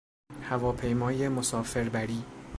هواپیمای مسافر بری